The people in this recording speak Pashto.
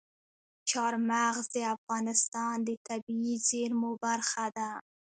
چار مغز د افغانستان د طبیعي زیرمو برخه ده.